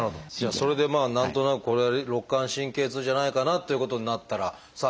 それで何となくこれは肋間神経痛じゃないかな？っていうことになったらさあ